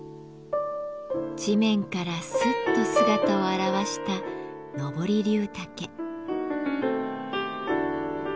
地面からすっと姿を現したノボリリュウタケ。